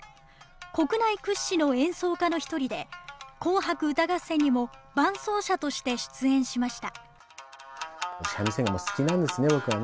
国内屈指の演奏家の一人で、紅白歌合戦にも伴奏者として出演しました。